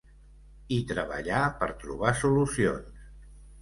I treballar per trobar solucions.